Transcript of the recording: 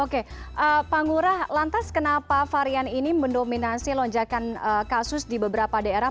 oke pak ngurah lantas kenapa varian ini mendominasi lonjakan kasus di beberapa daerah